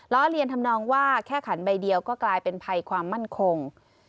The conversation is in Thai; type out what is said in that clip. เรียนทำนองว่าแค่ขันใบเดียวก็กลายเป็นภัยความมั่นคง